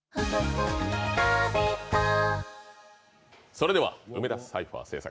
それでは梅田サイファー制作